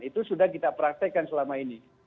itu sudah kita praktekkan selama ini